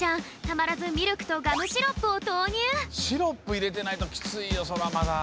たまらずミルクとガムシロップをとうにゅうシロップいれてないときついよそらまだ。